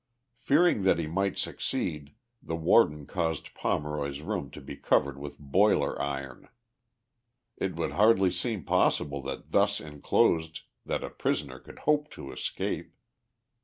Fearing that he might succeed the Warden caused Pomeroy's room to be covered with boiler iron. It would hardly seem pos sible that thus inclosed that a prisoner could hope to escape.